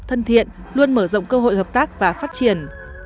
thân thiện luôn mở rộng cơ hội hợp tác và phát triển